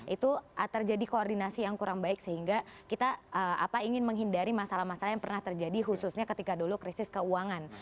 itu terjadi koordinasi yang kurang baik sehingga kita ingin menghindari masalah masalah yang pernah terjadi khususnya ketika dulu krisis keuangan